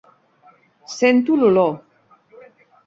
Sento l'olor.